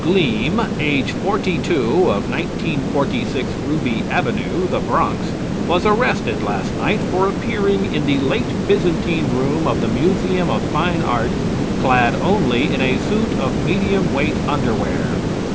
Gleam, age forty two, of 1946 Ruby Avenue, The Bronx, was arrested last night for appearing in the Late Byzantine Room of the Museum of Fine Arts clad only in a suit of medium weight underwear.